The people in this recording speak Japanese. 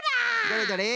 どれどれ？